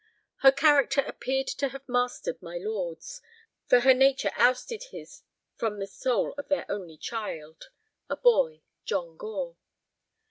Her character appeared to have mastered my lord's, for her nature ousted his from the soul of their only child—a boy, John Gore.